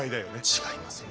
違いますよ。